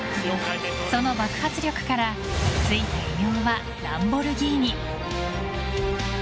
その爆発力から付いた異名はランボルギーニ。